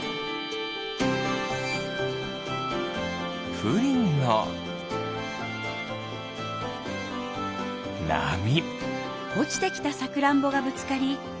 プリンのなみ。